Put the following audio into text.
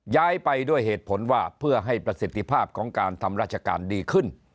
ย้ายไปด้วยเหตุผลว่าเพื่อให้ประสิทธิภาพของการทำราชการดีขึ้น